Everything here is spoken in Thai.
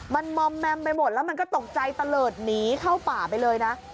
มันมอมแมมไปหมดแล้วมันก็ตกใจตะเลิศหนีเข้าป่าไปเลยนะ